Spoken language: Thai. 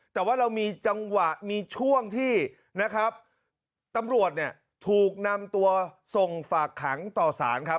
แต่ว่าเรามีช่วงที่ตำรวจถูกนำตัวส่งฝากขังต่อสารครับ